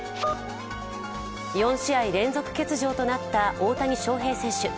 ４試合連続欠場となった大谷翔平選手。